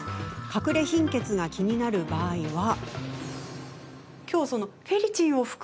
かくれ貧血が気になる場合は。